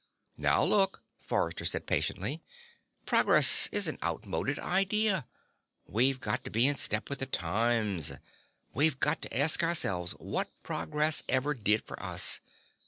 "Now look," Forrester said patiently, "progress is an outmoded idea. We've got to be in step with the times. We've got to ask ourselves what progress ever did for us.